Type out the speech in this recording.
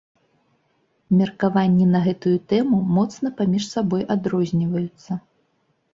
Меркаванні на гэтую тэму моцна паміж сабой адрозніваюцца.